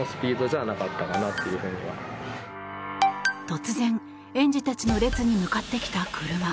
突然、園児たちの列に向かってきた車。